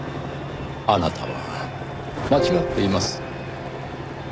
あなたは間違っています。